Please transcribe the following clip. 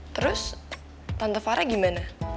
terus tante farah gimana